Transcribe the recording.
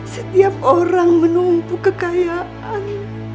setiap orang menumpu kekayaan